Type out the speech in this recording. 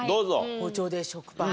包丁で食パン。